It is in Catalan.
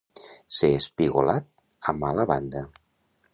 Ser espigolat a mala banda.